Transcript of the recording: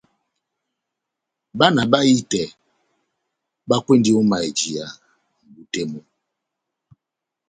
Bana bahitɛ bakwendi ó mayɛjiya mʼbú tɛ́ mú.